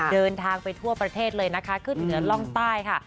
เดินทางไปทั่วประเทศเลยนะคะขึ้นเหนือร่องใต้ค่ะ